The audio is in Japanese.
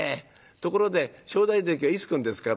ところで正代関はいつ来るんですか？」